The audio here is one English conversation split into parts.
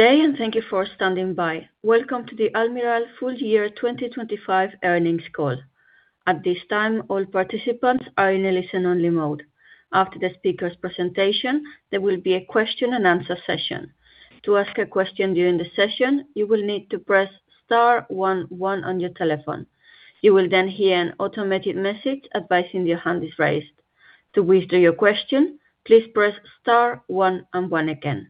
Good day, and thank you for standing by. Welcome to the Almirall full year 2025 earnings call. At this time, all participants are in a listen-only mode. After the speaker's presentation, there will be a question and answer session. To ask a question during the session, you will need to press star one one on your telephone. You will then hear an automated message advising your hand is raised. To withdraw your question, please press star one and one again.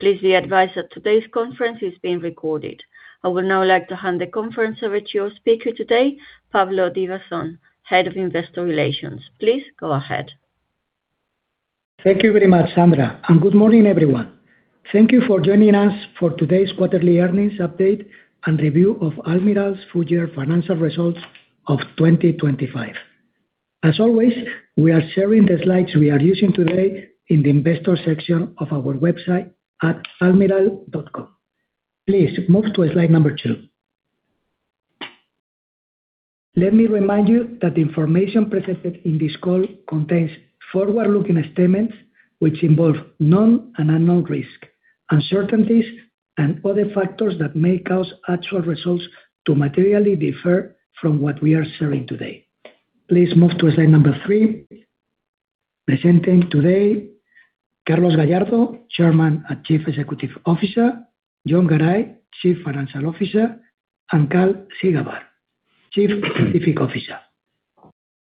Please be advised that today's conference is being recorded. I would now like to hand the conference over to your speaker today, Pablo Divasson, Head of Investor Relations. Please go ahead. Thank you very much, Sandra. Good morning, everyone. Thank you for joining us for today's quarterly earnings update and review of Almirall's full year financial results of 2025. As always, we are sharing the slides we are using today in the investor section of our website at almirall.com. Please move to slide number 2. Let me remind you that the information presented in this call contains forward-looking statements, which involve known and unknown risks, uncertainties, and other factors that may cause actual results to materially differ from what we are sharing today. Please move to slide number 3. Presenting today, Carlos Gallardo, Chairman and Chief Executive Officer, Jon Garay, Chief Financial Officer, and Karl Ziegelbauer, Chief Scientific Officer.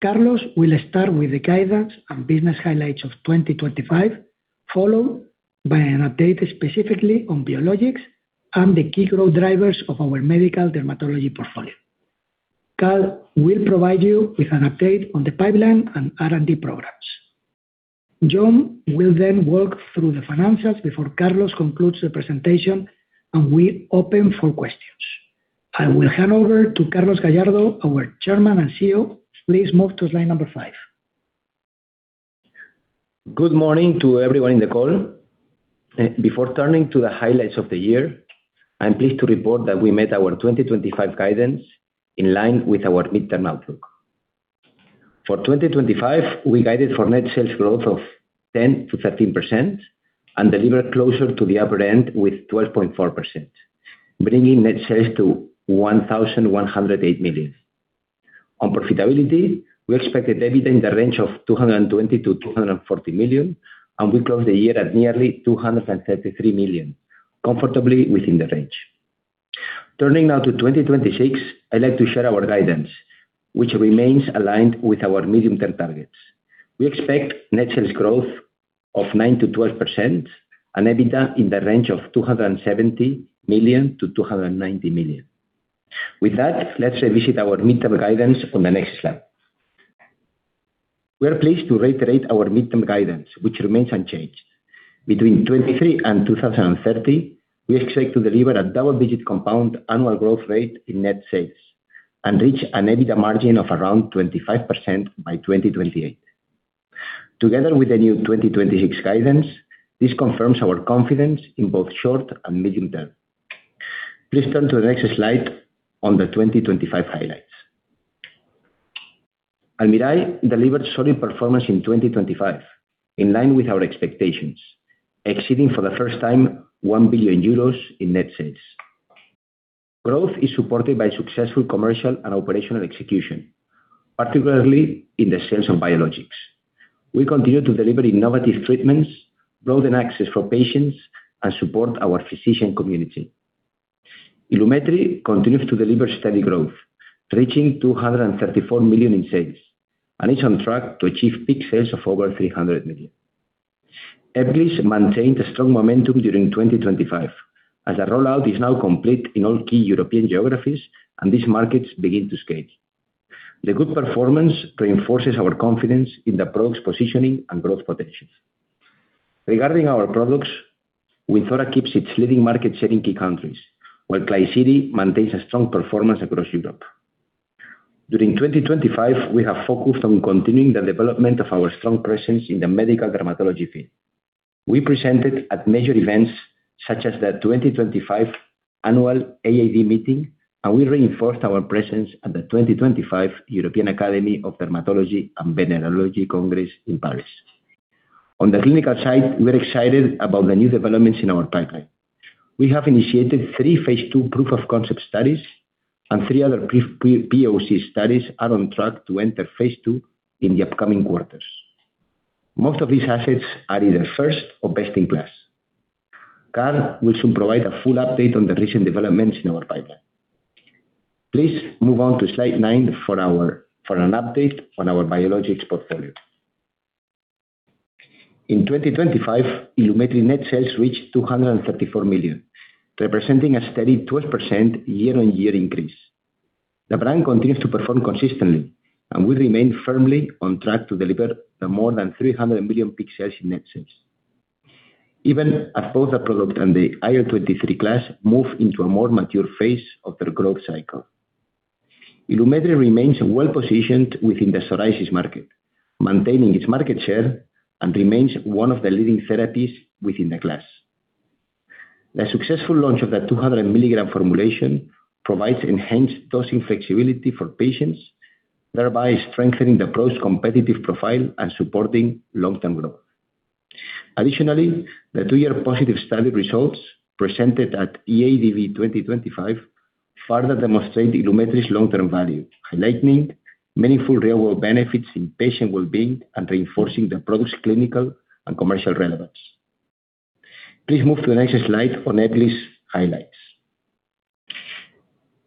Carlos will start with the guidance and business highlights of 2025, followed by an update specifically on biologics and the key growth drivers of our medical dermatology portfolio. Karl will provide you with an update on the pipeline and R&D programs. Jon U. Garay will then walk through the financials before Carlos Gallardo Piqué concludes the presentation, and we open for questions. I will hand over to Carlos Gallardo Piqué, our Chairman and Chief Executive Officer. Please move to slide number 5. Good morning to everyone in the call. Before turning to the highlights of the year, I'm pleased to report that we made our 2025 guidance in line with our midterm outlook. For 2025, we guided for net sales growth of 10%-13% and delivered closer to the upper end with 12.4%, bringing net sales to 1,108 million. On profitability, we expected EBITDA in the range of 220 million-240 million, and we closed the year at nearly 233 million, comfortably within the range. Turning now to 2026, I'd like to share our guidance, which remains aligned with our medium-term targets. We expect net sales growth of 9%-12% and EBITDA in the range of 270 million-290 million. With that, let's revisit our midterm guidance on the next slide. We are pleased to reiterate our midterm guidance, which remains unchanged. Between 2023 and 2030, we expect to deliver a double-digit compound annual growth rate in net sales and reach an EBITDA margin of around 25% by 2028. Together with the new 2026 guidance, this confirms our confidence in both short and medium term. Please turn to the next slide on the 2025 highlights. Almirall delivered solid performance in 2025, in line with our expectations, exceeding for the first time 1 billion euros in net sales. Growth is supported by successful commercial and operational execution, particularly in the sense of biotics. We continue to deliver innovative treatments, broaden access for patients, and support our physician community. Ilumetri continues to deliver steady growth, reaching 234 million in sales, and is on track to achieve peak sales of over 300 million. Ebglyss maintained a strong momentum during 2025, as the rollout is now complete in all key European geographies and these markets begin to scale. The good performance reinforces our confidence in the product's positioning and growth potential. Regarding our products, Wynzora keeps its leading market share in key countries, while Klisyri maintains a strong performance across Europe. During 2025, we have focused on continuing the development of our strong presence in the medical dermatology field. We presented at major events such as the 2025 annual AAD meeting, and we reinforced our presence at the 2025 European Academy of Dermatology and Venereology Congress in Paris. On the clinical side, we're excited about the new developments in our pipeline. We have initiated three phase II proof of concept studies, and 3 other POC studies are on track to enter phase II in the upcoming quarters. Most of these assets are either first or best in class. Karl will soon provide a full update on the recent developments in our pipeline. Please move on to slide 9 for an update on our biologics portfolio. In 2025, Ilumetri net sales reached 234 million, representing a steady 12% year-on-year increase. The brand continues to perform consistently, and we remain firmly on track to deliver the more than 300 million peak sales in net sales. Even as both the product and the IL-23 class move into a more mature phase of their growth cycle, Ilumetri remains well-positioned within the psoriasis market, maintaining its market share and remains one of the leading therapies within the class. The successful launch of the 200 milligram formulation provides enhanced dosing flexibility for patients, thereby strengthening the product's competitive profile and supporting long-term growth. Additionally, the two-year positive study results presented at EADV 2025 further demonstrate Ilumetri's long-term value, highlighting meaningful real-world benefits in patient well-being and reinforcing the product's clinical and commercial relevance. Please move to the next slide on Ebglyss highlights.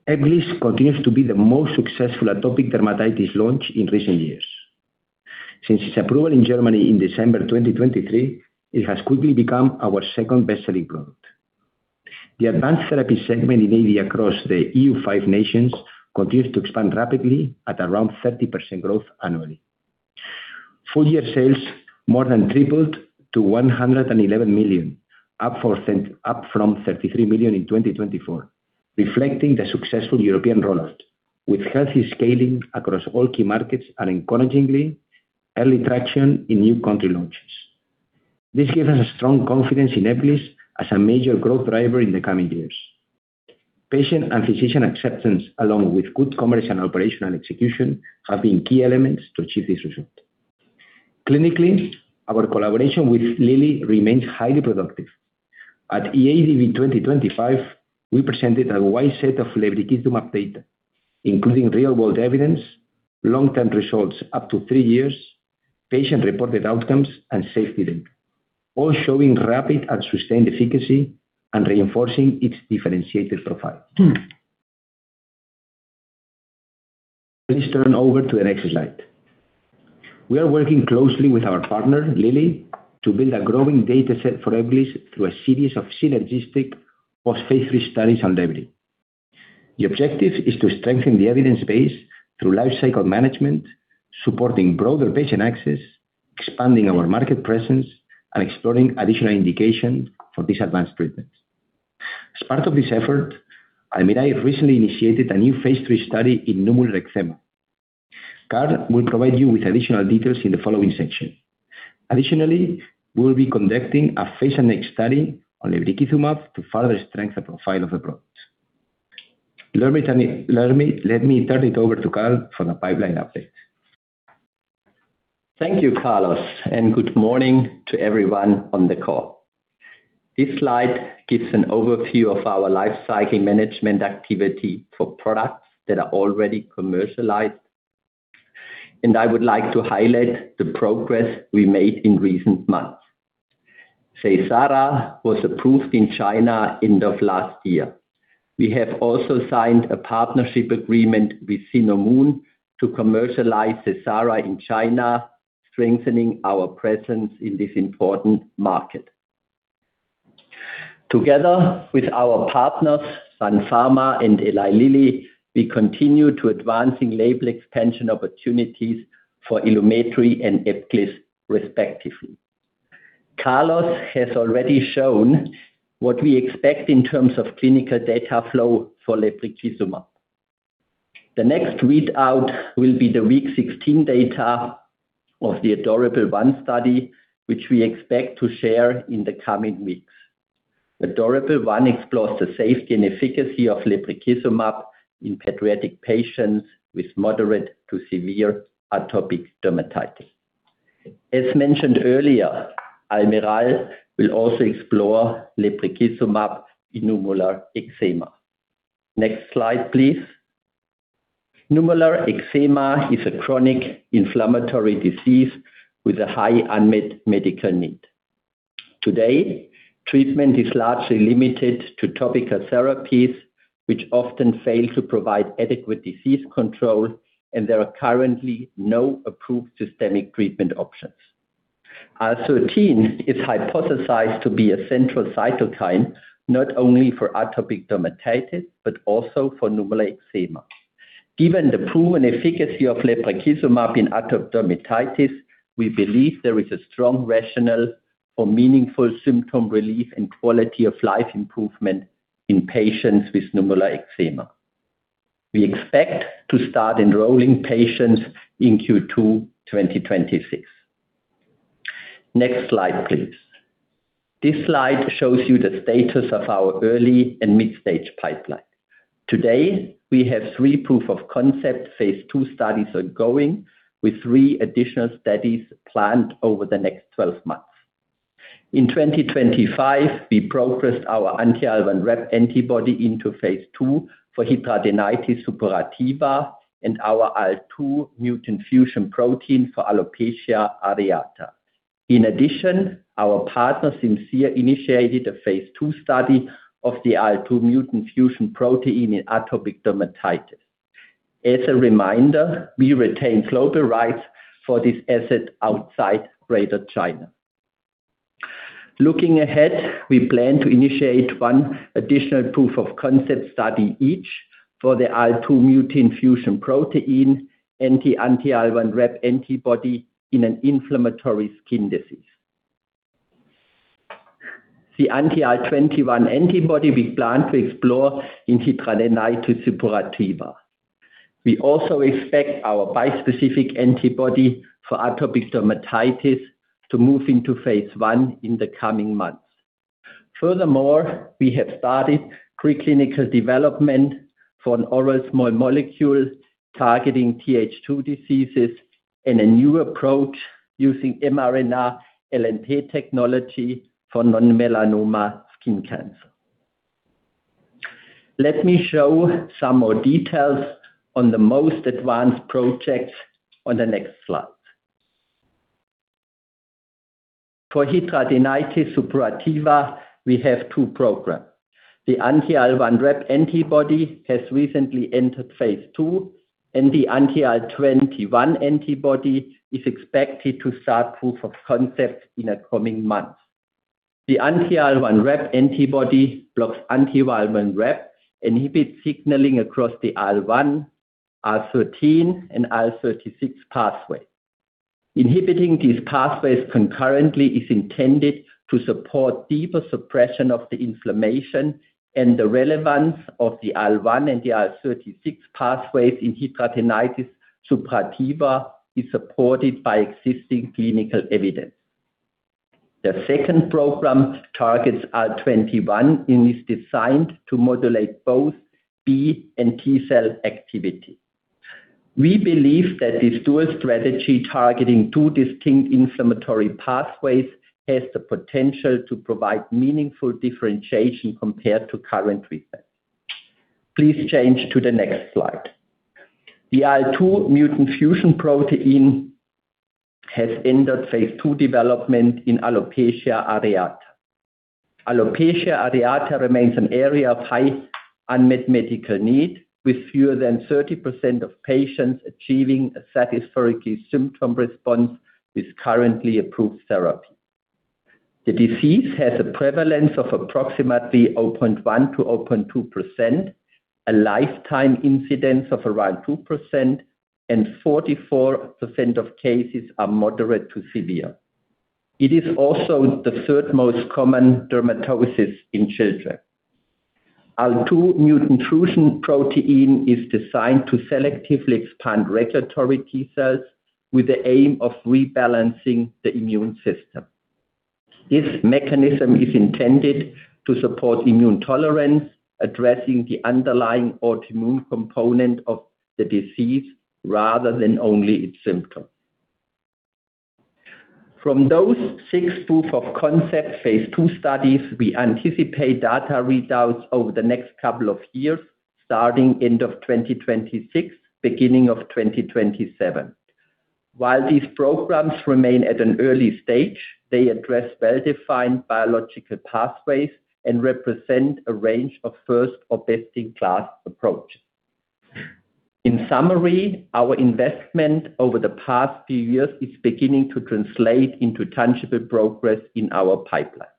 Ebgylss continues to be the most successful atopic dermatitis launch in recent years. Since its approval in Germany in December 2023, it has quickly become our second best-selling product. The advanced therapy segment in AD across the EU five nations continues to expand rapidly at around 30% growth annually. Full year sales more than tripled to 111 million, up from 33 million in 2024, reflecting the successful European rollout, with healthy scaling across all key markets and encouragingly, early traction in new country launches. This gives us a strong confidence in Ebglyss as a major growth driver in the coming years. Patient and physician acceptance, along with good commercial and operational execution, have been key elements to achieve this result. Clinically, our collaboration with Lilly remains highly productive. At EADV 2025, we presented a wide set of lebrikizumab data, including real-world evidence, long-term results up to three years, patient-reported outcomes, and safety data, all showing rapid and sustained efficacy and reinforcing its differentiated profile. Please turn over to the next slide. We are working closely with our partner, Lilly, to build a growing data set for Epclusa through a series of synergistic post-phase III studies on lebri. The objective is to strengthen the evidence base through lifecycle management, supporting broader patient access, expanding our market presence, and exploring additional indications for this advanced treatment. As part of this effort, Almirall recently initiated a new phase III study in nummular eczema. Karl will provide you with additional details in the following section. Additionally, we will be conducting a phase next study on lebrikizumab to further strengthen the profile of the product. Let me turn it over to Karl for the pipeline update. Thank you, Carlos, and good morning to everyone on the call. This slide gives an overview of our lifecycle management activity for products that are already commercialized, and I would like to highlight the progress we made in recent months. Seysara was approved in China end of last year. We have also signed a partnership agreement with Sinomune to commercialize Seysara in China, strengthening our presence in this important market. Together with our partners, Sun Pharma and Eli Lilly, we continue to advancing label expansion opportunities for Ilumetri and Epclusa, respectively. Carlos has already shown what we expect in terms of clinical data flow for lebrikizumab. The next readout will be the week 16 data of the ADorable-1 study, which we expect to share in the coming weeks. ADorable-1 explores the safety and efficacy of lebrikizumab in pediatric patients with moderate to severe atopic dermatitis. As mentioned earlier, Almirall will also explore lebrikizumab in nummular eczema. Next slide, please. Nummular eczema is a chronic inflammatory disease with a high unmet medical need. Today, treatment is largely limited to topical therapies, which often fail to provide adequate disease control, and there are currently no approved systemic treatment options. IL-13 is hypothesized to be a central cytokine, not only for atopic dermatitis, but also for nummular eczema. Given the proven efficacy of lebrikizumab in atopic dermatitis, we believe there is a strong rationale for meaningful symptom relief and quality of life improvement in patients with nummular eczema. We expect to start enrolling patients in Q2, 2026. Next slide, please. This slide shows you the status of our early and mid-stage pipeline. Today, we have three POC, phase II studies are going, with three additional studies planned over the next 12 months. In 2025, we progressed our anti-IL-1RAP antibody into phase II for hidradenitis suppurativa and our IL-2 mutant fusion protein for alopecia areata. In addition, our partner, Simcere, initiated a phase II study of the IL-2 mutant fusion protein in atopic dermatitis. As a reminder, we retained global rights for this asset outside Greater China. Looking ahead, we plan to initiate one additional proof of concept study each for the IL-2 mutant fusion protein, and the anti-IL-1RAP antibody in an inflammatory skin disease. The anti-IL-21 antibody we plan to explore in hidradenitis suppurativa. We also expect our bispecific antibody for atopic dermatitis to move into phase I in the coming months. Furthermore, we have started preclinical development for an oral small molecule targeting TH2 diseases, and a new approach using mRNA-LNP technology for non-melanoma skin cancer. Let me show some more details on the most advanced projects on the next slide. For hidradenitis suppurativa, we have two programs. The anti-IL-1RAP antibody has recently entered phase II, and the anti-IL-21 antibody is expected to start proof of concept in the coming months. The anti-IL-1RAP antibody blocks anti-IL-1RAP, inhibits signaling across the IL-1, IL-13, and IL-36 pathway. Inhibiting these pathways concurrently is intended to support deeper suppression of the inflammation, and the relevance of the IL-1 and the IL-36 pathways in hidradenitis suppurativa is supported by existing clinical evidence. The second program targets IL-21 and is designed to modulate both B and T cell activity. We believe that this dual strategy, targeting two distinct inflammatory pathways, has the potential to provide meaningful differentiation compared to current treatment. Please change to the next slide. The IL-2 mutant fusion protein has entered phase II development in alopecia areata. Alopecia areata remains an area of high unmet medical need, with fewer than 30% of patients achieving a satisfactory symptom response with currently approved therapy. The disease has a prevalence of approximately 0.1%-0.2%, a lifetime incidence of around 2%, and 44% of cases are moderate to severe. It is also the third most common dermatosis in children. IL-2 mutant fusion protein is designed to selectively expand Regulatory T-cells with the aim of rebalancing the immune system. This mechanism is intended to support immune tolerance, addressing the underlying autoimmune component of the disease rather than only its symptoms. From those 6 proof of concept phase II studies, we anticipate data readouts over the next couple of years, starting end of 2026, beginning of 2027. While these programs remain at an early stage, they address well-defined biological pathways and represent a range of first or best-in-class approach. In summary, our investment over the past few years is beginning to translate into tangible progress in our pipeline.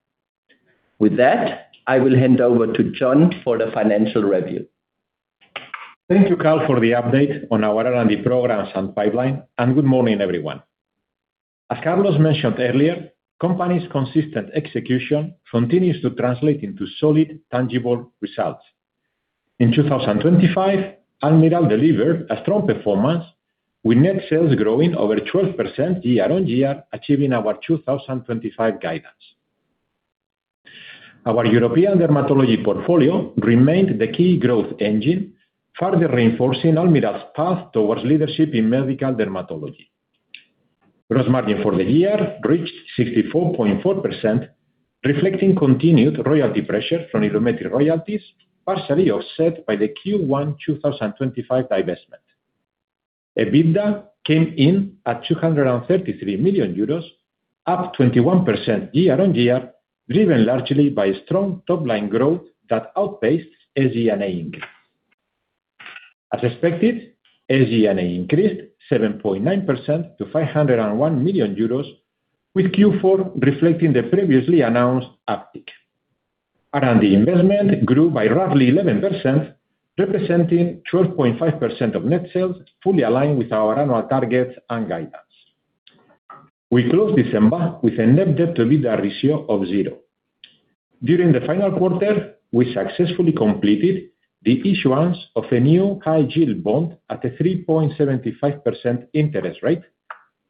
With that, I will hand over to Jon for the financial review. Thank you, Karl, for the update on our R&D programs and pipeline. Good morning, everyone. As Carlos mentioned earlier, company's consistent execution continues to translate into solid, tangible results. In 2025, Almirall delivered a strong performance, with net sales growing over 12% year-on-year, achieving our 2025 guidance. Our European dermatology portfolio remained the key growth engine, further reinforcing Almirall's path towards leadership in medical dermatology. Gross margin for the year reached 64.4%, reflecting continued royalty pressure from Ilumetri royalties, partially offset by the Q1 2025 divestment. EBITDA came in at 233 million euros, up 21% year-on-year, driven largely by strong top-line growth that outpaced SG&A increase. As expected, SG&A increased 7.9% to 501 million euros, with Q4 reflecting the previously announced uptick. R&D investment grew by roughly 11%, representing 12.5% of net sales, fully aligned with our annual targets and guidance. We closed December with a net debt-to-EBITDA ratio of 0. During the final quarter, we successfully completed the issuance of a new high-yield bond at a 3.75% interest rate,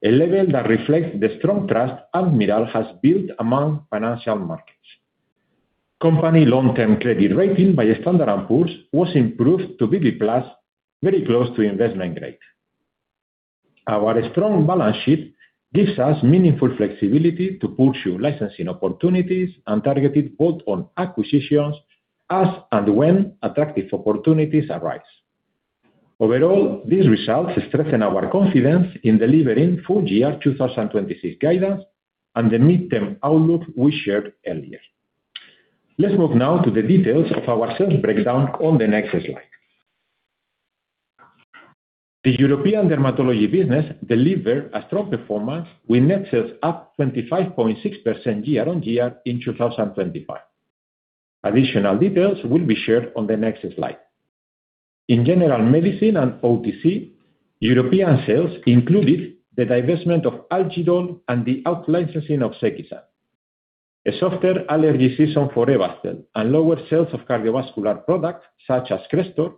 a level that reflects the strong trust Almirall has built among financial markets. Company long-term credit rating by Standard & Poor's was improved to BB+, very close to investment grade. Our strong balance sheet gives us meaningful flexibility to pursue licensing opportunities and targeted bolt-on acquisitions as and when attractive opportunities arise. Overall, these results strengthen our confidence in delivering full year 2026 guidance and the midterm outlook we shared earlier. Let's move now to the details of our sales breakdown on the next slide. The European dermatology business delivered a strong performance, with net sales up 25.6% year-on-year in 2025. Additional details will be shared on the next slide. In general medicine and OTC, European sales included the divestment of Algidol and the out-licensing of Sekisan. A softer allergy season for Ebastel and lower sales of cardiovascular products, such as Crestor,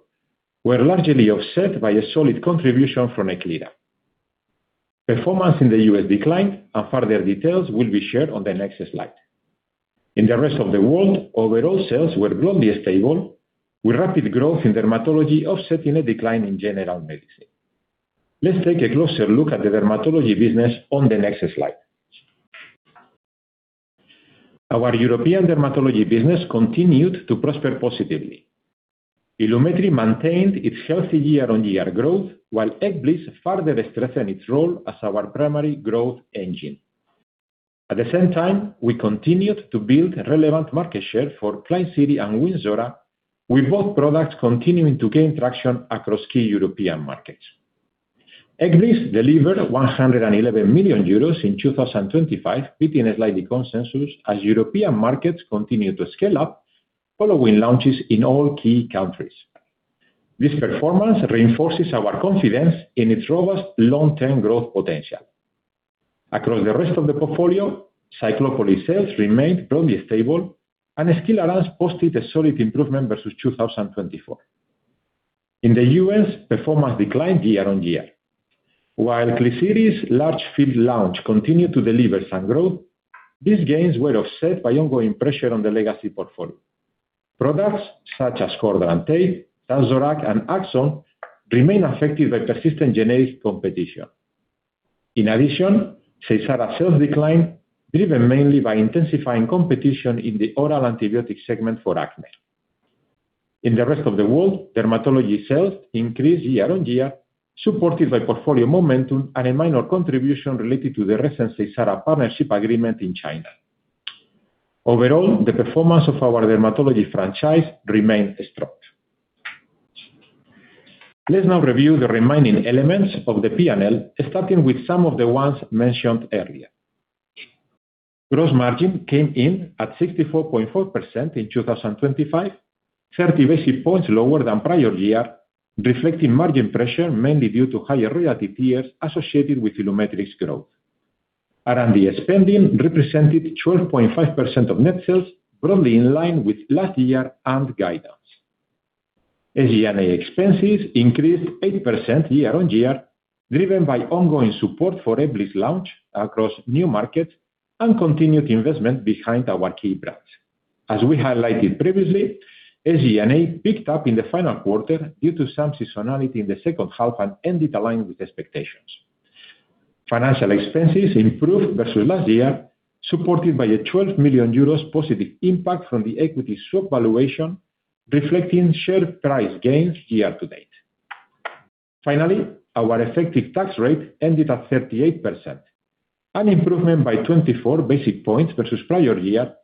were largely offset by a solid contribution from Ebglyss. Performance in the U.S. declined, and further details will be shared on the next slide. In the rest of the world, overall sales were broadly stable, with rapid growth in dermatology offsetting a decline in general medicine. Let's take a closer look at the dermatology business on the next slide. Our European dermatology business continued to prosper positively. Ilumetri maintained its healthy year-on-year growth, while Ebglyss further strengthened its role as our primary growth engine. At the same time, we continued to build relevant market share for Klisyri and Wynzora, with both products continuing to gain traction across key European markets. Ebglyss delivered 111 million euros in 2025, beating a slightly consensus as European markets continued to scale up following launches in all key countries. This performance reinforces our confidence in its robust long-term growth potential. Across the rest of the portfolio, Ciclosporin sales remained broadly stable, and Skilarence posted a solid improvement versus 2024. In the U.S., performance declined year-on-year. While Klisyri's large field launch continued to deliver some growth, these gains were offset by ongoing pressure on the legacy portfolio. Products such as Cordran Tape, Tazorac, and Aczone remain affected by persistent generic competition. In addition, Seysara sales declined, driven mainly by intensifying competition in the oral antibiotic segment for acne. In the rest of the world, dermatology sales increased year-on-year, supported by portfolio momentum and a minor contribution related to the recent Seysara partnership agreement in China. Overall, the performance of our dermatology franchise remains strong. Let's now review the remaining elements of the PNL, starting with some of the ones mentioned earlier. Gross margin came in at 64.4% in 2025, 30 basic points lower than prior year, reflecting margin pressure, mainly due to higher royalty fees associated with Ilumetri's growth. R&D spending represented 12.5% of net sales, broadly in line with last year and guidance. SG&A expenses increased 80% year-on-year, driven by ongoing support for Ebglyss' launch across new markets and continued investment behind our key brands. As we highlighted previously, SG&A picked up in the final quarter due to some seasonality in the second half and ended aligned with expectations. Financial expenses improved versus last year, supported by a 12 million euros positive impact from the equity swap valuation, reflecting share price gains year to date. Finally, our effective tax rate ended at 38%, an improvement by 24 basic points versus prior year,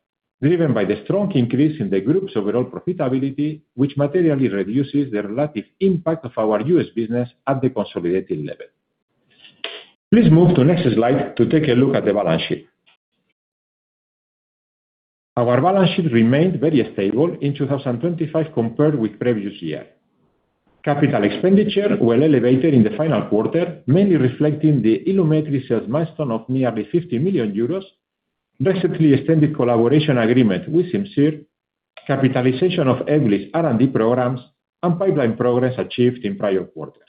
driven by the strong increase in the group's overall profitability, which materially reduces the relative impact of our U.S. business at the consolidated level. Please move to next slide to take a look at the balance sheet. Our balance sheet remained very stable in 2025 compared with previous year. Capital expenditure were elevated in the final quarter, mainly reflecting the Ilumetri sales milestone of nearly 50 million euros, recently extended collaboration agreement with Cimser, capitalization of Ebglyss R&D programs, and pipeline progress achieved in prior quarters.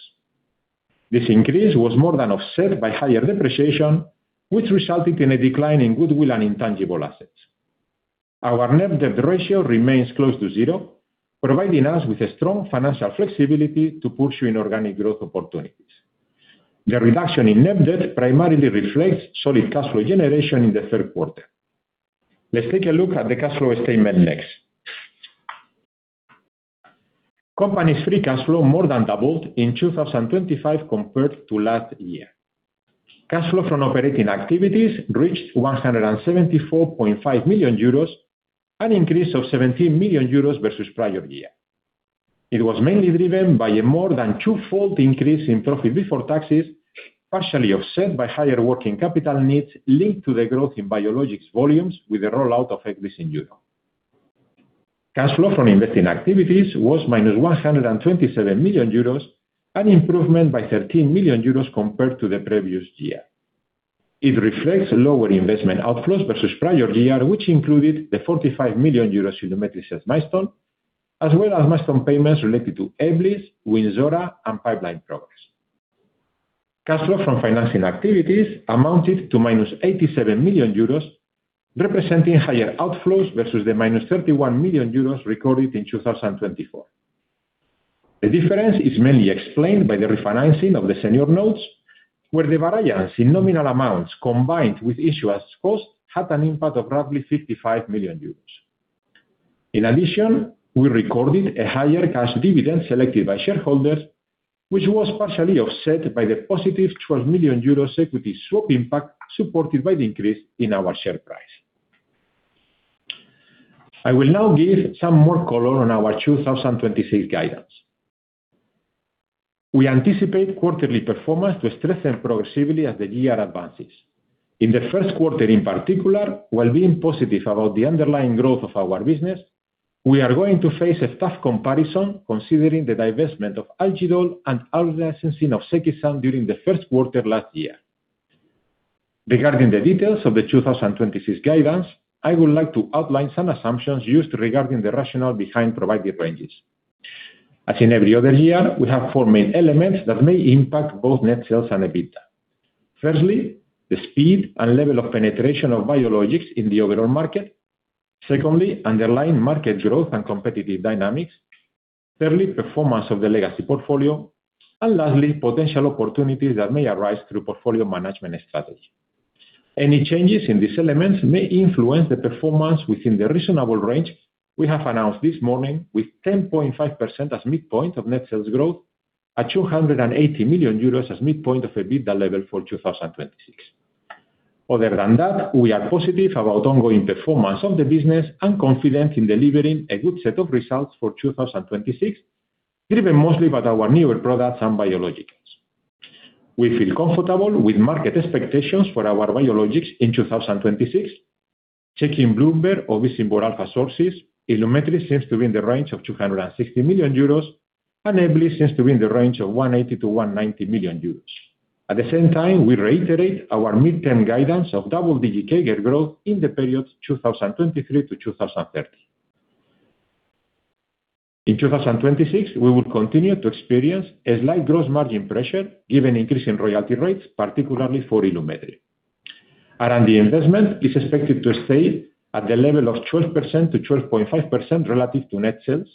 This increase was more than offset by higher depreciation, which resulted in a decline in goodwill and intangible assets. Our net debt ratio remains close to zero, providing us with a strong financial flexibility to pursue inorganic growth opportunities. The reduction in net debt primarily reflects solid cash flow generation in the third quarter. Let's take a look at the cash flow statement next. Company's free cash flow more than doubled in 2025 compared to last year. Cash flow from operating activities reached 174.5 million euros, an increase of 17 million euros versus prior year. It was mainly driven by a more than twofold increase in profit before taxes, partially offset by higher working capital needs linked to the growth in biologics volumes with the rollout of Ebglyss in Europe. Cash flow from investing activities was minus 127 million euros, an improvement by 13 million euros compared to the previous year. It reflects lower investment outflows versus prior year, which included the 45 million euros Ilumetri sales milestone, as well as milestone payments related to Ebglyss, Wynzora, and pipeline progress. Cash flow from financing activities amounted to minus 87 million euros, representing higher outflows versus the minus 31 million euros recorded in 2024. The difference is mainly explained by the refinancing of the senior notes, where the variance in nominal amounts, combined with issuance costs, had an impact of roughly 55 million euros. In addition, we recorded a higher cash dividend selected by shareholders, which was partially offset by the positive 12 million euros equity swap impact, supported by the increase in our share price. I will now give some more color on our 2026 guidance. We anticipate quarterly performance to strengthen progressively as the year advances. In the first quarter, in particular, while being positive about the underlying growth of our business, we are going to face a tough comparison, considering the divestment of Algidol and out-licensing of Sekisan during the first quarter last year. Regarding the details of the 2026 guidance, I would like to outline some assumptions used regarding the rationale behind provided ranges. As in every other year, we have four main elements that may impact both net sales and EBITDA. Firstly, the speed and level of penetration of biologics in the overall market. Secondly, underlying market growth and competitive dynamics. Thirdly, performance of the legacy portfolio. Lastly, potential opportunities that may arise through portfolio management strategy. Any changes in these elements may influence the performance within the reasonable range we have announced this morning, with 10.5% as midpoint of net sales growth, at 280 million euros as midpoint of EBITDA level for 2026. Other than that, we are positive about ongoing performance of the business and confident in delivering a good set of results for 2026, driven mostly by our newer products and biologics. We feel comfortable with market expectations for our biologics in 2026. Checking Bloomberg or Visible Alpha sources, Ilumetri seems to be in the range of 260 million euros, and Ebglyss seems to be in the range of 180 million-190 million euros. At the same time, we reiterate our midterm guidance of double-digit CAGR growth in the period 2023 to 2030. In 2026, we will continue to experience a slight gross margin pressure, given increase in royalty rates, particularly for Ilumetri. R&D investment is expected to stay at the level of 12%-12.5% relative to net sales.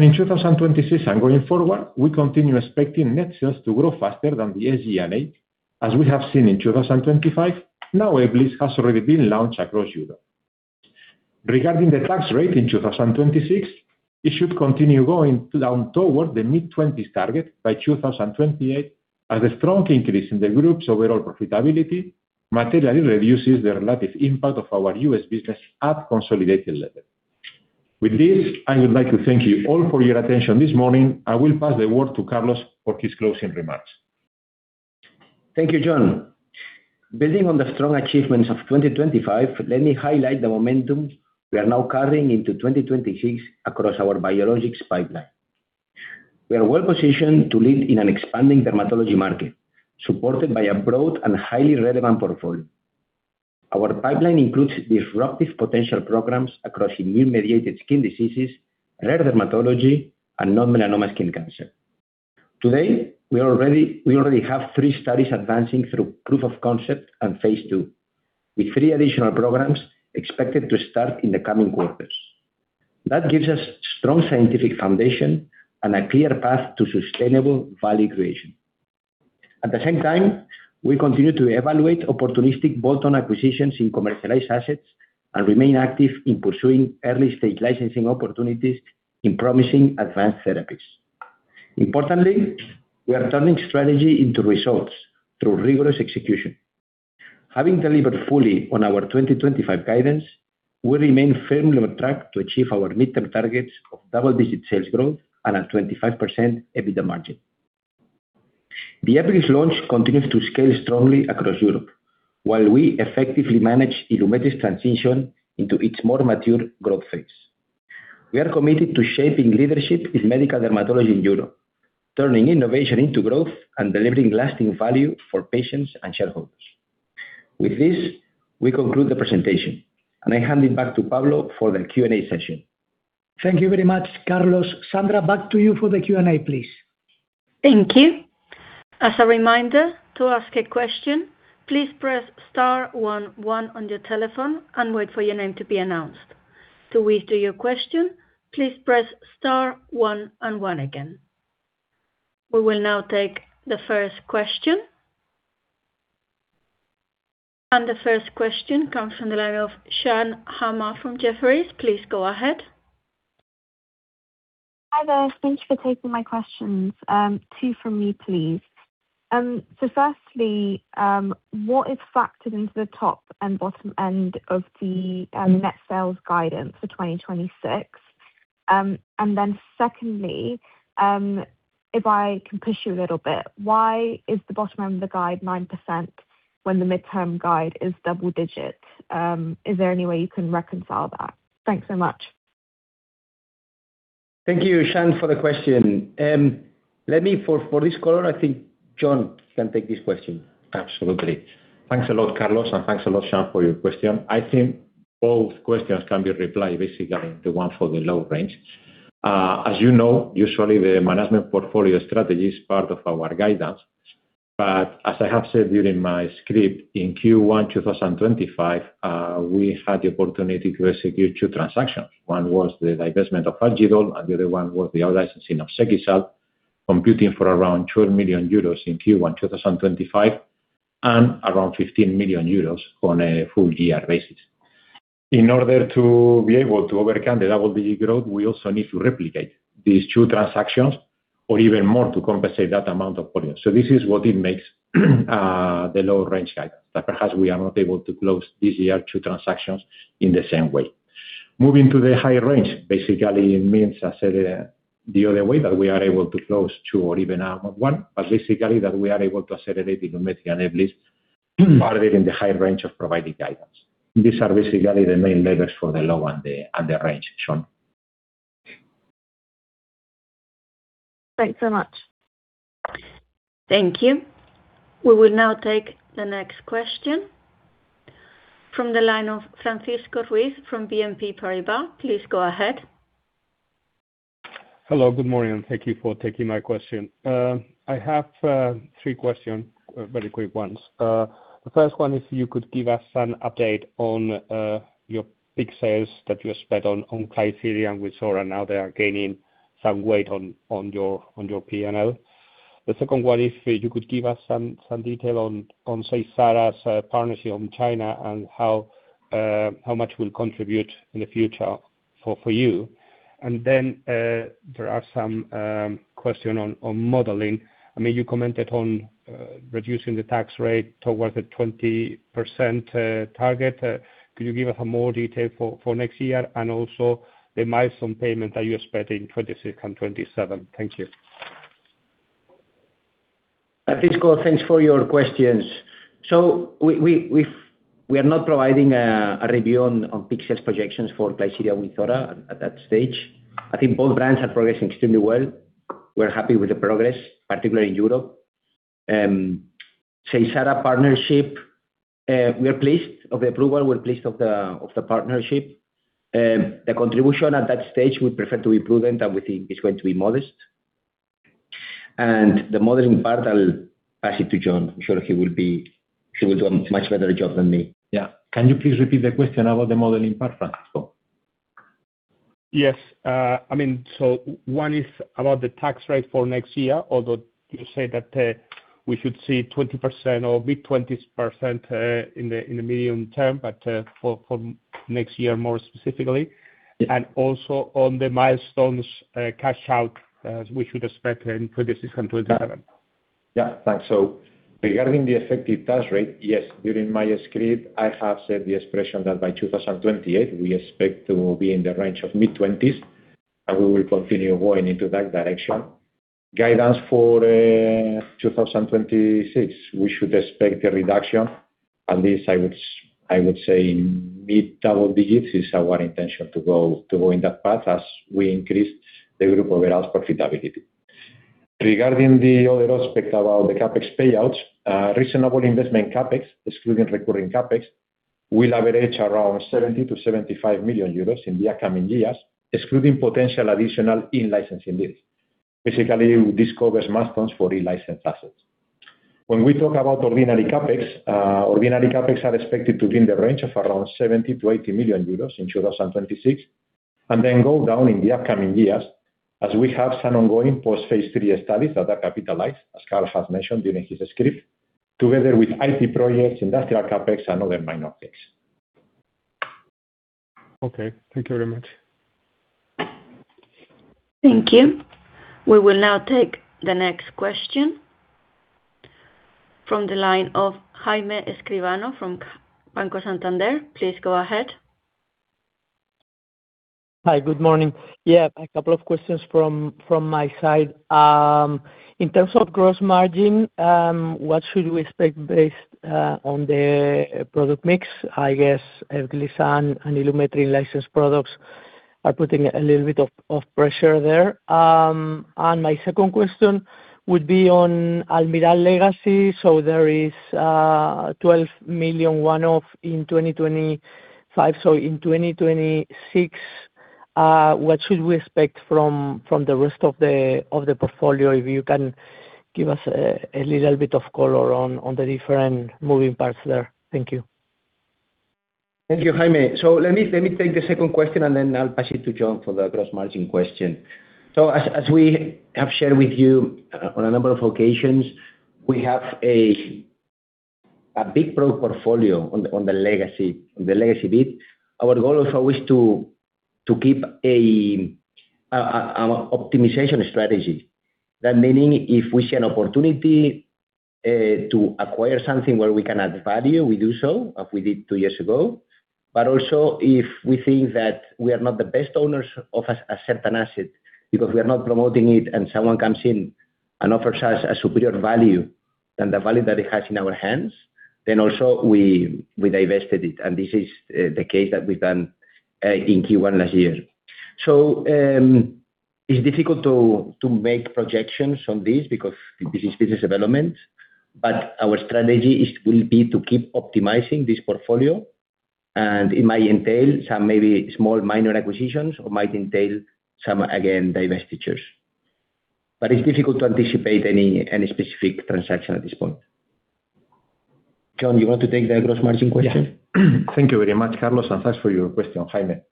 In 2026 and going forward, we continue expecting net sales to grow faster than the SG&A, as we have seen in 2025, now Ebglyss has already been launched across Europe. Regarding the tax rate in 2026, it should continue going down toward the mid-twenties target by 2028, as a strong increase in the group's overall profitability materially reduces the relative impact of our U.S. business at consolidated level. With this, I would like to thank you all for your attention this morning. I will pass the word to Carlos for his closing remarks. Thank you, Jon. Building on the strong achievements of 2025, let me highlight the momentum we are now carrying into 2026 across our biologics pipeline. We are well positioned to lead in an expanding dermatology market, supported by a broad and highly relevant portfolio. Our pipeline includes disruptive potential programs across immune-mediated skin diseases, rare dermatology, and non-melanoma skin cancer. Today, we already have three studies advancing through POC and phase II, with three additional programs expected to start in the coming quarters. That gives us strong scientific foundation and a clear path to sustainable value creation. At the same time, we continue to evaluate opportunistic bolt-on acquisitions in commercialized assets and remain active in pursuing early-stage licensing opportunities in promising advanced therapies. Importantly, we are turning strategy into results through rigorous execution. Having delivered fully on our 2025 guidance, we remain firmly on track to achieve our midterm targets of double-digit sales growth and a 25% EBITDA margin. The Ebglyss launch continues to scale strongly across Europe, while we effectively manage Ilumetri's transition into its more mature growth phase. We are committed to shaping leadership in medical dermatology in Europe, turning innovation into growth, and delivering lasting value for patients and shareholders. With this, we conclude the presentation. I hand it back to Pablo for the Q&A session. Thank you very much, Carlos. Sandra, back to you for the Q&A, please. Thank you. As a reminder, to ask a question, please press star one one on your telephone and wait for your name to be announced. To withdraw your question, please press star one and one again. We will now take the first question. The first question comes from the line of Sean Hammer from Jefferies. Please go ahead. Hi, there. Thank you for taking my questions. Two from me, please. Firstly, what is factored into the top and bottom end of the net sales guidance for 2026? Secondly, if I can push you a little bit, why is the bottom end of the guide 9% when the midterm guide is double digits? Is there any way you can reconcile that? Thanks so much. Thank you, Sean, for the question. For this call, I think Jon can take this question. Absolutely. Thanks a lot, Carlos, and thanks a lot, Sean, for your question. I think both questions can be replied, basically, the one for the low range. As you know, usually the management portfolio strategy is part of our guidance, but as I have said during my script, in Q1 2025, we had the opportunity to execute two transactions. One was the divestment of Algidol, and the other one was the out licensing of Sekisan, computing for around 12 million euros in Q1 2025, and around 15 million euros on a full year basis. In order to be able to overcome the double-digit growth, we also need to replicate these two transactions or even more to compensate that amount of volume. This is what it makes the lower range guidance, that perhaps we are not able to close this year 2 transactions in the same way. Moving to the higher range, basically it means I said it the other way, that we are able to close 2 or even 1, but basically that we are able to accelerate the Ilumetri and Ebglyss part of it in the high range of provided guidance. These are basically the main levers for the low and the, and the range, Sean. Thanks so much. Thank you. We will now take the next question from the line of Francisco Ruiz from BNP Paribas. Please go ahead. Hello, good morning, thank you for taking my question. I have three question, very quick ones. The first one is you could give us an update on your big sales that you expect on Klisyri and Wynzora, now they are gaining some weight on your PNL. The second one, if you could give us some detail on Seysara's partnership on China and how much will contribute in the future for you? Then there are some question on modeling. I mean, you commented on reducing the tax rate towards the 20% target. Could you give us more detail for next year, and also the milestone payment that you're expecting in 2026 and 2027? Thank you. Francisco, thanks for your questions. We are not providing a review on pixels projections for Klisyri and Wynzora at that stage. I think both brands are progressing extremely well. We're happy with the progress, particularly in Europe. Sara partnership, we are pleased of the approval, we're pleased of the partnership. The contribution at that stage, we prefer to be prudent, and we think it's going to be modest. The modeling part, I'll pass it to Jon. I'm sure he will do a much better job than me. Yeah. Can you please repeat the question about the modeling part, Francisco? Yes. I mean, one is about the tax rate for next year, although you say that we should see 20% or mid-20s% in the medium term, for next year, more specifically. Yeah. Also on the milestones, cash out, we should expect in 2026 and 2027. Yeah, thanks. Regarding the effective tax rate, yes, during my script, I have said the expression that by 2028, we expect to be in the range of mid-20s%, and we will continue going into that direction. Guidance for 2026, we should expect a reduction, at least I would say mid-double-digits is our intention to go, to go in that path as we increase the group overall profitability. Regarding the other aspect about the CapEx payouts, reasonable investment CapEx, excluding recurring CapEx, will average around 70 million-75 million euros in the upcoming years, excluding potential additional in-licensing deals. Basically, this covers milestones for the licensed assets. When we talk about ordinary CapEx, ordinary CapEx are expected to be in the range of around 70 million-80 million euros in 2026, and then go down in the upcoming years as we have some ongoing post-phase III studies that are capitalized, as Karl has mentioned during his script, together with IT projects, industrial CapEx and other minor CapEx. Okay, thank you very much. Thank you. We will now take the next question from the line of Jaime Escribano from Banco Santander. Please go ahead. Hi, good morning. A couple of questions from my side. In terms of gross margin, what should we expect based on the product mix? I guess, Klisyri and Ilumetri license products are putting a little bit of pressure there. My second question would be on Almirall legacy. There is 12 million one-off in 2025. In 2026, what should we expect from the rest of the portfolio? If you can give us a little bit of color on the different moving parts there. Thank you. Thank you, Jaime. Let me, let me take the second question, and then I'll pass it to Jon for the gross margin question. as, as we have shared with you on a number of occasions, we have a, a big product portfolio on the, on the legacy, on the legacy bit. Our goal is always to, to keep our optimization strategy. That meaning, if we see an opportunity to acquire something where we can add value, we do so, as we did two years ago. Also, if we think that we are not the best owners of a certain asset, because we are not promoting it, and someone comes in and offers us a superior value than the value that it has in our hands, then also we divested it, and this is the case that we've done in Q1 last year. It's difficult to make projections on this because this is business development, but our strategy will be to keep optimizing this portfolio, and it might entail some maybe small minor acquisitions or might entail some, again, divestitures. It's difficult to anticipate any specific transaction at this point. Jon, you want to take the gross margin question? Yeah. Thank you very much, Carlos, and thanks for your question, Jaime.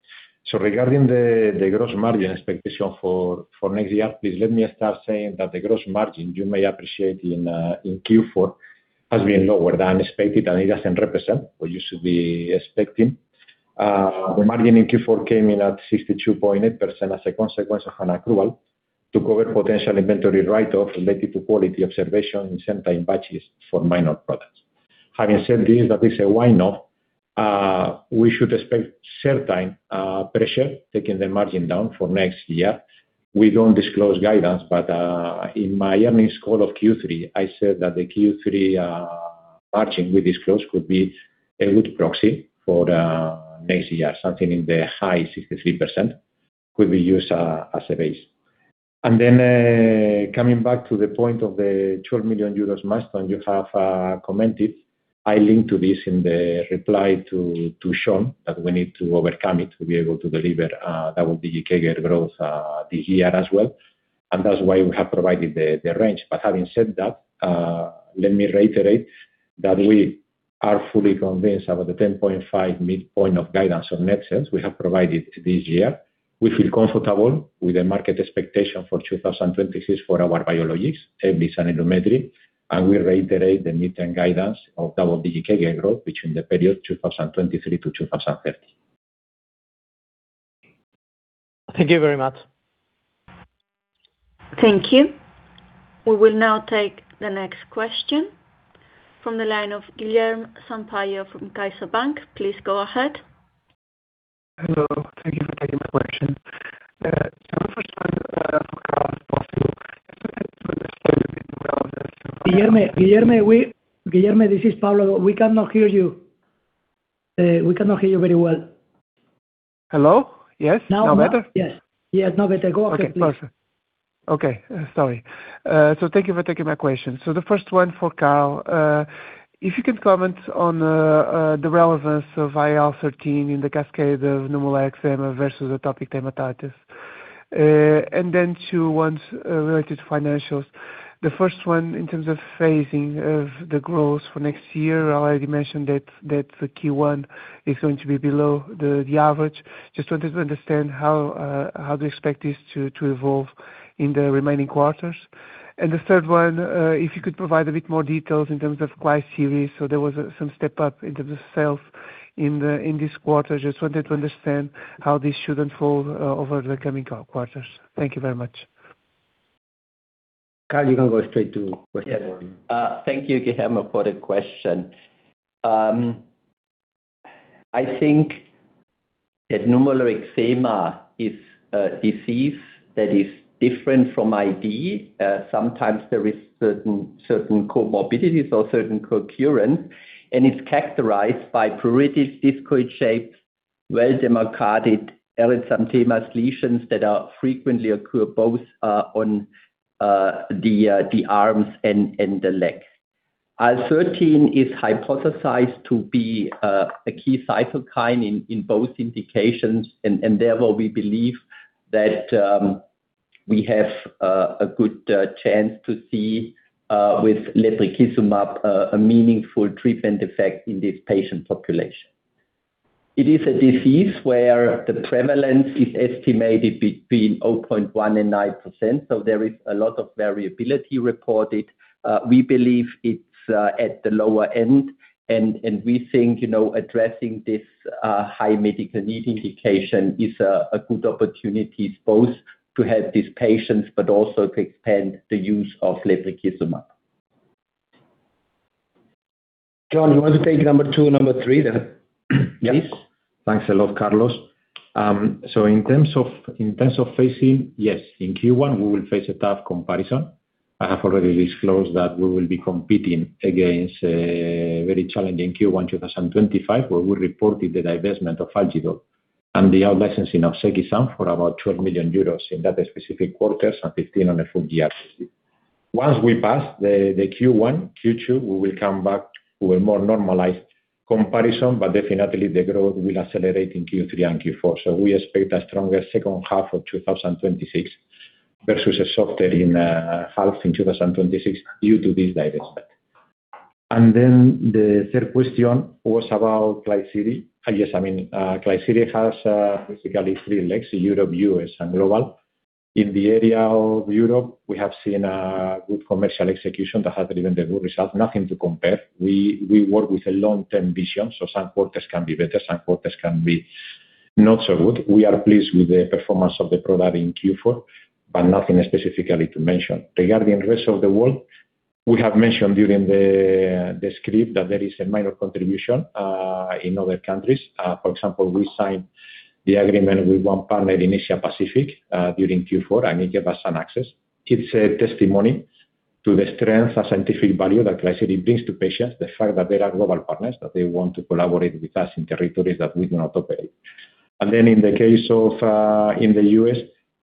Regarding the gross margin expectation for next year, please let me start saying that the gross margin you may appreciate in Q4 has been lower than expected, and it doesn't represent what you should be expecting. The margin in Q4 came in at 62.8% as a consequence of an accrual to cover potential inventory write-off related to quality observation in certain batches for minor products. Having said this, that is a why not, we should expect certain pressure taking the margin down for next year. We don't disclose guidance, but in my earnings call of Q3, I said that the Q3 margin we disclosed could be a good proxy for next year. Something in the high 63% could be used, as a base. Then, coming back to the point of the 12 million euros milestone you have commented, I link to this in the reply to, to Sean, that we need to overcome it to be able to deliver double-digit growth this year as well. That's why we have provided the, the range. Having said that, let me reiterate that we are fully convinced about the 10.5 midpoint of guidance on net sales we have provided this year. We feel comfortable with the market expectation for 2026 for our biologics, Ebglyss and Ilumetri, and we reiterate the midterm guidance of double-digit growth between the period 2023-2030. Thank you very much. Thank you. We will now take the next question from the line of Guilherme Sampaio from CaixaBank. Please go ahead. Hello. Thank you for taking my question. The first one, for Karl, if possible, Guilherme, Guilherme, Guilherme, this is Pablo. We cannot hear you. We cannot hear you very well. Hello? Yes, now better? Yes. Yes, now better. Go ahead, please. Okay, perfect. Okay, sorry. Thank you for taking my question. The first one for Karl. If you can comment on the relevance of IL-13 in the cascade of nummular eczema versus atopic dermatitis. Then two ones related to financials. The first one, in terms of phasing of the growth for next year, I already mentioned that the Q1 is going to be below the average. Just wanted to understand how do you expect this to evolve in the remaining quarters? The third one, if you could provide a bit more details in terms of Klisyri. There was some step up into the sales in this quarter. Just wanted to understand how this should unfold over the coming quarters. Thank you very much. Karl, you can go straight to question 1. Yeah. Thank you, Guilherme, for the question. I think that nummular eczema is a disease that is different from AD. Sometimes there is certain, certain comorbidities or certain co-occurrence, and it's characterized by pruritus, discoid shapes, well demarcated, erythematous lesions that are frequently occur both, on, the, the arms and, and the legs. IL-13 is hypothesized to be, a key cytokine in, in both indications, and, and therefore, we believe that, we have, a good, chance to see, with lebrikizumab, a meaningful treatment effect in this patient population. It is a disease where the prevalence is estimated between 0.1 and 9%, so there is a lot of variability reported. We believe it's at the lower end, and we think, you know, addressing this high medical need indication is a good opportunity both to help these patients, but also to expand the use of lebrikizumab. Jon, you want to take number 2 and number 3 then? Yes. Thanks a lot, Carlos. In terms of, in terms of phasing, yes, in Q1, we will face a tough comparison. I have already disclosed that we will be competing against a very challenging Q1 2025, where we reported the divestment of Algidol and the out-licensing of Sekisan for about 12 million euros in that specific quarter and 15 on a full year. Once we pass the Q1, Q2, we will come back to a more normalized comparison, but definitely the growth will accelerate in Q3 and Q4. We expect a stronger second half of 2026 versus a softer in half in 2026 due to this divestment. The third question was about Klisyri. Yes, Klisyri has basically three legs, Europe, U.S., and global. In the area of Europe, we have seen a good commercial execution that has driven the good results, nothing to compare. We work with a long-term vision, so some quarters can be better, some quarters can be not so good. We are pleased with the performance of the product in Q4, but nothing specifically to mention. Regarding the rest of the world, we have mentioned during the script that there is a minor contribution in other countries. For example, we signed the agreement with one partner in Asia Pacific during Q4, and it gave us an access. It's a testimony to the strength and scientific value that Klisyri brings to patients, the fact that there are global partners, that they want to collaborate with us in territories that we do not operate. Then in the case of, in the US,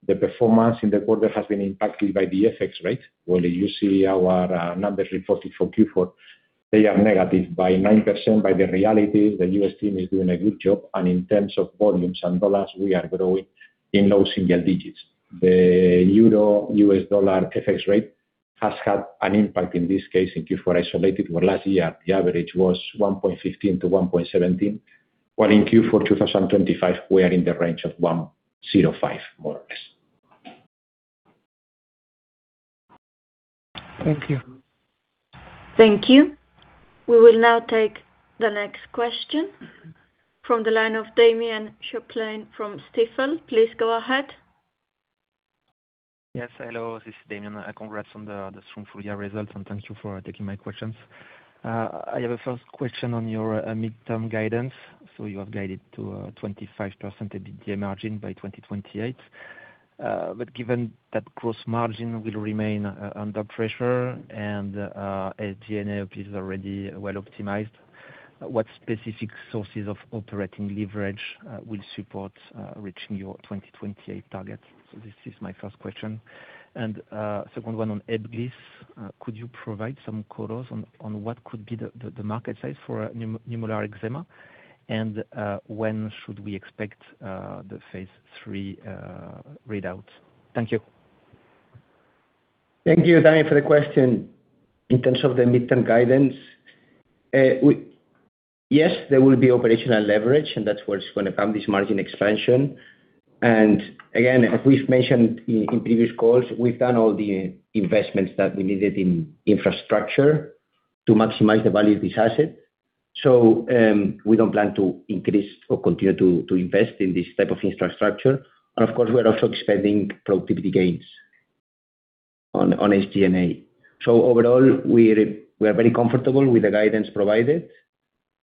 the performance in the quarter has been impacted by the FX rate. When you see our numbers reported for Q4, they are negative by 9%. By the reality, the US team is doing a good job, and in terms of volumes and dollars, we are growing in low single digits. The euro-US dollar FX rate has had an impact in this case, in Q4, isolated, where last year the average was 1.15-1.17, while in Q4 2025, we are in the range of 1.05, more or less. Thank you. Thank you. We will now take the next question from the line of Damian Choplain from Stifel. Please go ahead. Yes, hello, this is Damian. Congrats on the strong full year results, and thank you for taking my questions. I have a first question on your midterm guidance. You have guided to 25% EBITDA margin by 2028. Given that gross margin will remain under pressure and SG&A is already well optimized, what specific sources of operating leverage will support reaching your 2028 targets? This is my first question. Second one on Ebglyss, could you provide some colors on what could be the market size for nummular eczema? When should we expect the phase III readouts? Thank you. Thank you, Danny, for the question. In terms of the midterm guidance, we, yes, there will be operational leverage, and that's where it's gonna come, this margin expansion. Again, as we've mentioned in, in previous calls, we've done all the investments that we needed in infrastructure to maximize the value of this asset. We don't plan to increase or continue to, to invest in this type of infrastructure. Of course, we're also expecting productivity gains on, on SG&A. Overall, we're, we are very comfortable with the guidance provided,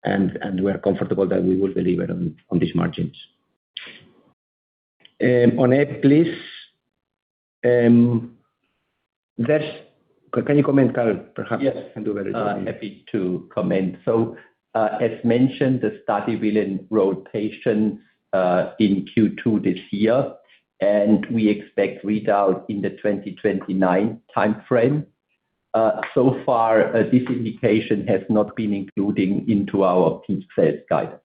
and, and we are comfortable that we will deliver on, on these margins. On Ebglyss, that's. Can you comment, Carlos, perhaps? Yes. You can do better than me. Happy to comment. As mentioned, the study will enroll patients, in Q2 this year, and we expect readout in the 2029 timeframe. So far, this indication has not been including into our peak sales guidance.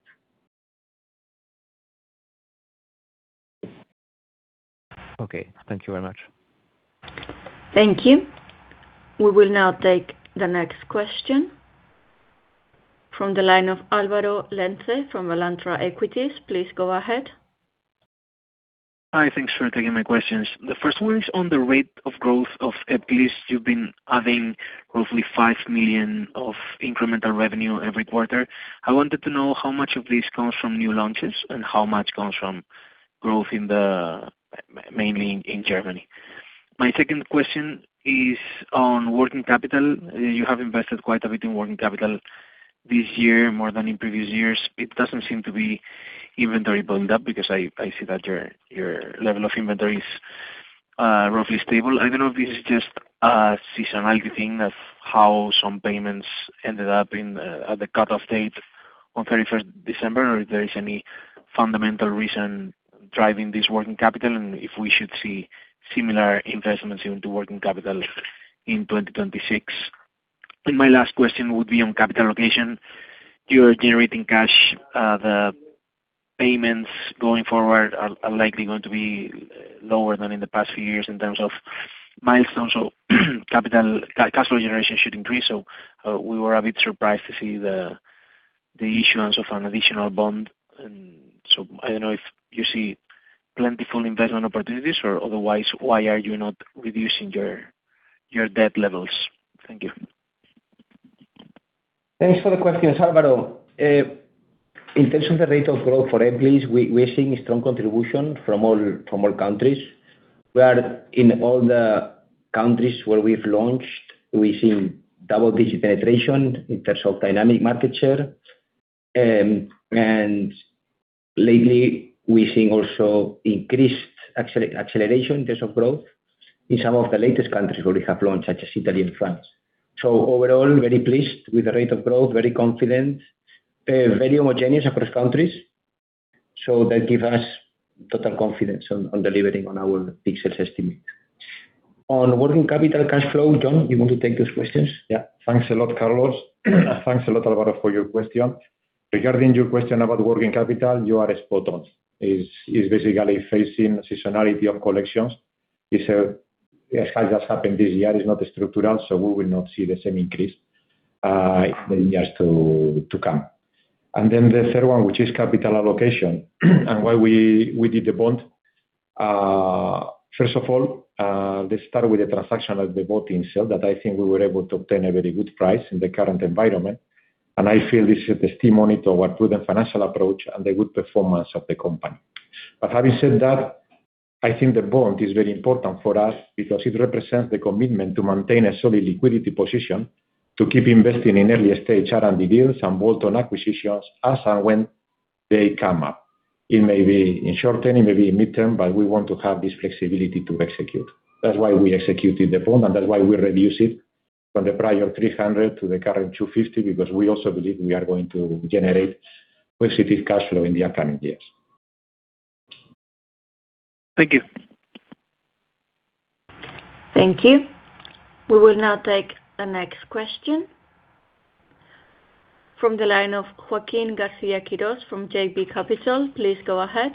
Okay, thank you very much. Thank you. We will now take the next question from the line of Álvaro de Lenta from Alantra Equities. Please go ahead. Hi, thanks for taking my questions. The first one is on the rate of growth of Ebglyss. You've been adding roughly 5 million of incremental revenue every quarter. I wanted to know how much of this comes from new launches and how much comes from growth in the, mainly in Germany. My second question is on working capital. You have invested quite a bit in working capital this year, more than in previous years. It doesn't seem to be inventory building up, because I, I see that your, your level of inventory is roughly stable. I don't know if this is just a seasonality thing of how some payments ended up in, at the cutoff date on 31st December, or if there is any fundamental reason driving this working capital, and if we should see similar investments into working capital in 2026. My last question would be on capital allocation. You are generating cash. The payments going forward are likely going to be lower than in the past few years in terms of milestones or capital. Cash flow generation should increase. We were a bit surprised to see the issuance of an additional bond. I don't know if you see plentiful investment opportunities, or otherwise, why are you not reducing your debt levels? Thank you. Thanks for the questions, Álvaro. In terms of the rate of growth for Ebglyss, we are seeing strong contribution from all countries. We are in all the countries where we've launched, we've seen double-digit penetration in terms of dynamic market share. Lately, we're seeing also increased acceleration in terms of growth in some of the latest countries where we have launched, such as Italy and France. Overall, very pleased with the rate of growth, very confident, very homogeneous across countries, so that give us total confidence on delivering on our peak sales estimate. On working capital cash flow, Jon, you want to take those questions? Yeah. Thanks a lot, Carlos. Thanks a lot, Álvaro, for your question. Regarding your question about working capital, you are spot on. It's, it's basically facing seasonality of collections. It's, as has happened this year, it's not structural. We will not see the same increase in the years to, to come. The third one, which is capital allocation, and why we, we did the bond. First of all, this started with a transaction of the bolt-on sale that I think we were able to obtain a very good price in the current environment. I feel this is a testimony to our prudent financial approach and the good performance of the company. Having said that, I think the bond is very important for us, because it represents the commitment to maintain a solid liquidity position, to keep investing in early-stage R&D deals and bolt-on acquisitions as and when they come up. It may be in short term, it may be in midterm, but we want to have this flexibility to execute. That's why we executed the bond, and that's why we reduced it from the prior 300 to the current 250, because we also believe we are going to generate positive cash flow in the upcoming years. Thank you. Thank you. We will now take the next question from the line of Joaquín García-Quirós from JB Capital. Please go ahead.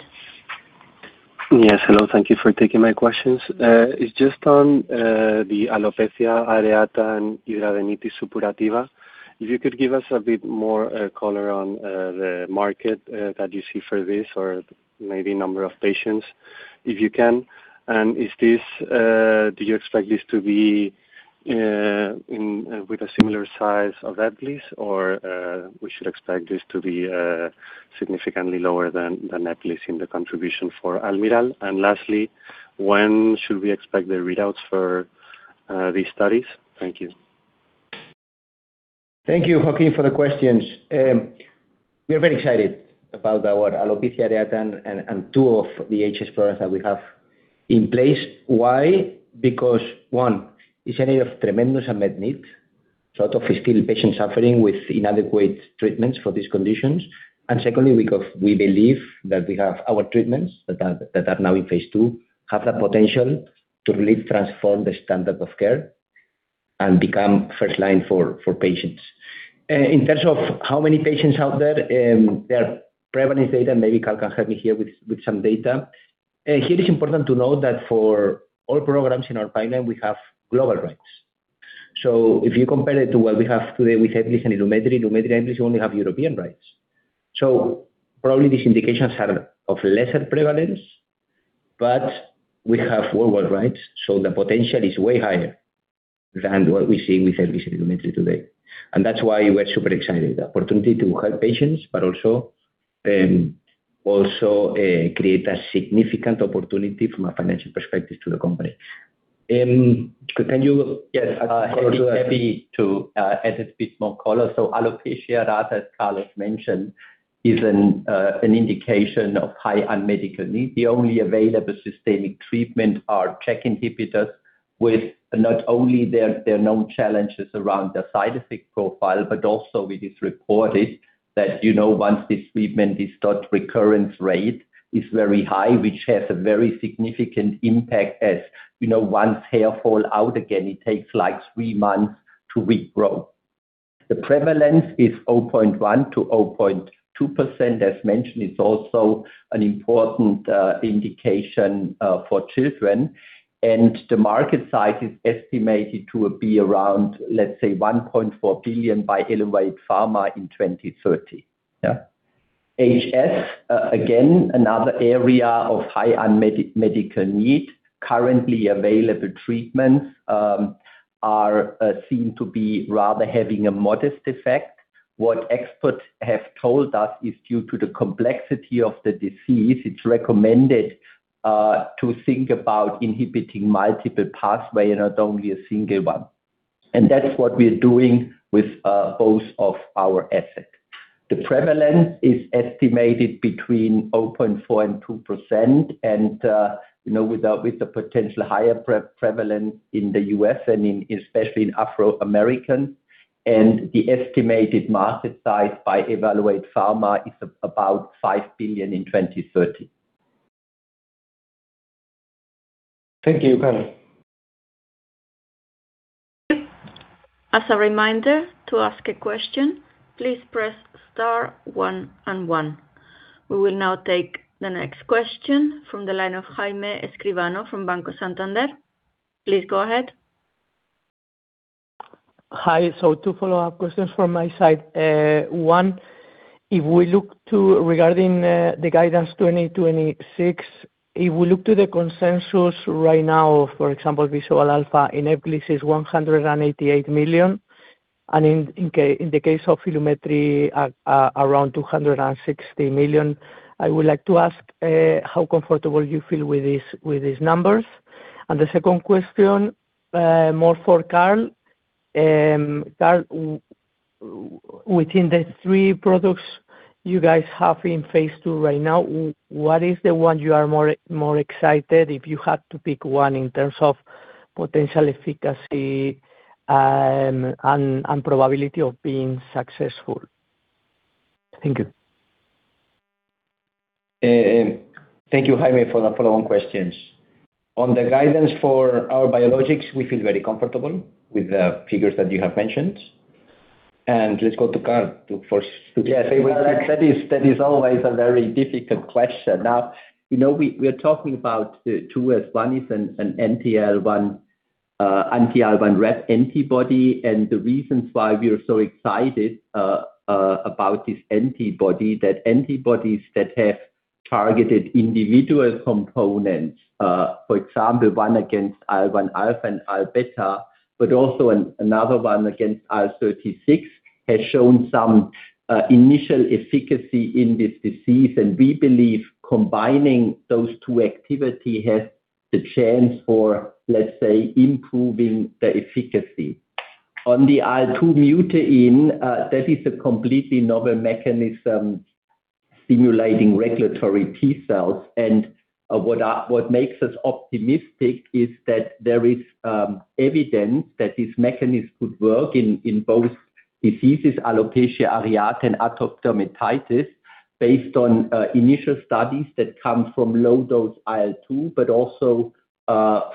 Yes, hello. Thank you for taking my questions. It's just on the alopecia areata and hidradenitis suppurativa. If you could give us a bit more color on the market that you see for this or maybe number of patients, if you can. Is this, do you expect this to be in with a similar size of Ebglyss or we should expect this to be significantly lower than Ebglyss in the contribution for Almirall? Lastly, when should we expect the readouts for these studies? Thank you. Thank you, Joaquín, for the questions. We are very excited about our alopecia areata and two of the HS products that we have in place. Why? Because, one, it's an area of tremendous unmet needs. Still patients suffering with inadequate treatments for these conditions. Secondly, because we believe that we have our treatments that are, that are now in phase II, have the potential to really transform the standard of care and become first line for patients. In terms of how many patients out there, there are prevalence data, maybe Karl Ziegelbauer can help me here with some data. Here it's important to know that for all programs in our pipeline, we have global rights. If you compare it to what we have today with, in Ilumetri, you only have European rights. Probably these indications are of lesser prevalence, but we have worldwide rights, so the potential is way higher than what we see with Ilumetri today. That's why we're super excited. The opportunity to help patients, but also, also, create a significant opportunity from a financial perspective to the company. Yes, happy to add a bit more color. Alopecia, as Carlos mentioned, is an indication of high unmet medical need. The only available systemic treatment are JAK inhibitors, with not only their, their known challenges around the side effect profile, but also it is reported that, you know, once this treatment is start, recurrence rate is very high, which has a very significant impact, as, you know, once hair fall out again, it takes, like, 3 months to regrow. The prevalence is 0.1%-0.2%. As mentioned, it's also an important indication for children, and the market size is estimated to be around, let's say, $1.4 billion by Evaluate Pharma in 2030. Yeah. HS, again, another area of high unmet medical need. Currently available treatments seem to be rather having a modest effect. What experts have told us is due to the complexity of the disease, it's recommended to think about inhibiting multiple pathway and not only a single one. That's what we're doing with both of our assets. The prevalence is estimated between 0.4 and 2%, and, you know, with the potential higher prevalence in the U.S. and in, especially in African Americans, and the estimated market size by Evaluate Pharma is about $5 billion in 2030. Thank you, Karl. As a reminder, to ask a question, please press star one and one. We will now take the next question from the line of Jaime Escribano from Banco Santander. Please go ahead. Hi. Two follow-up questions from my side. 1, if we look to regarding the guidance 2026, if we look to the consensus right now, for example, Visible Alpha in Eklira is 188 million, and in the case of Ilumetri, around 260 million. I would like to ask how comfortable you feel with these, with these numbers? The 2nd question, more for Karl. Karl, within the three products you guys have in phase II right now, what is the one you are more, more excited if you had to pick one in terms of potential efficacy, and probability of being successful? Thank you. Thank you, Jaime, for the follow-on questions. On the guidance for our biologics, we feel very comfortable with the figures that you have mentioned. Let's go to Karl to first- Yes, that is, that is always a very difficult question. Now, you know, we are talking about the 2 as one is an anti-IL-1RAP antibody. The reasons why we are so excited about this antibody, that antibodies that have targeted individual components, for example, 1 against IL-1 alpha and IL-1 beta, but also another one against IL-36, has shown some initial efficacy in this disease. We believe combining those two activity has the chance for, let's say, improving the efficacy. On the IL-2 mutein, that is a completely novel mechanism, stimulating Regulatory T-cells. What makes us optimistic is that there is evidence that this mechanism could work in both diseases, alopecia areata and atopic dermatitis, based on initial studies that come from low-dose IL-2, but also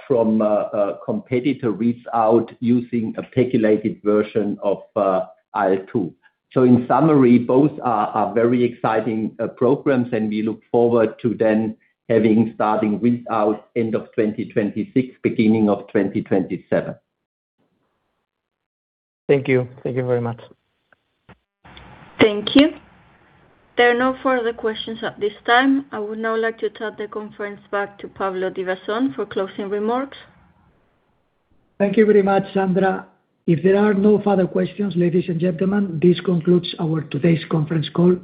from a competitor reads out using a calculated version of IL-2. In summary, both are very exciting programs, and we look forward to then having starting without end of 2026, beginning of 2027. Thank you. Thank you very much. Thank you. There are no further questions at this time. I would now like to turn the conference back to Pablo Divasson for closing remarks. Thank you very much, Sandra. If there are no further questions, ladies and gentlemen, this concludes our today's conference call.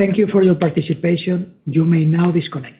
Thank you for your participation. You may now disconnect.